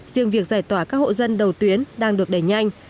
riêng việc giải tỏa các hộ dân đầu tuyến đang được đẩy nhanh